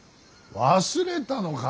忘れたのか。